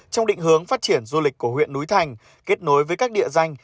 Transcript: trong định hướng phát triển du lịch của huyện núi thành kết nối với các địa danh